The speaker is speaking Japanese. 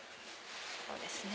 そうですね。